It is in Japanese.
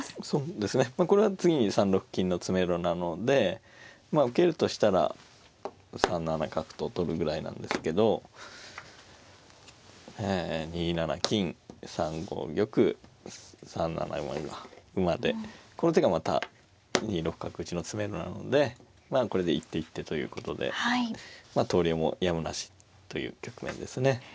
そうですねまあこれは次に３六金の詰めろなのでまあ受けるとしたら３七角と取るぐらいなんですけどえ２七金３五玉３七馬でこの手がまた２六角打の詰めろなのでこれで一手一手ということでまあ投了もやむなしという局面ですね。